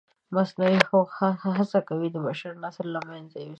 مصنوعي هوښ هڅه کوي د بشر نسل له منځه یوسي.